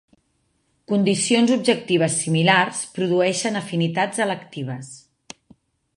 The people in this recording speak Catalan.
Condicions objectives similars produeixen afinitats electives.